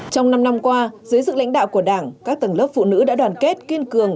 trong năm năm qua dưới sự lãnh đạo của đảng các tầng lớp phụ nữ đã đoàn kết kiên cường